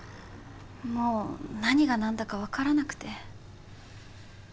もう何がなんだかわからなくて。